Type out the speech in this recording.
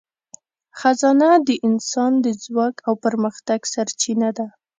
خزانه د انسان د ځواک او پرمختګ سرچینه ده.